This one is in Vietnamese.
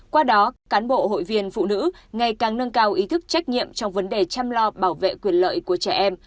qua đó các cán bộ hội viên phụ nữ ngày càng nâng cao ý thức trách nhiệm trong vấn đề chăm lo bảo vệ quyền lợi của trẻ em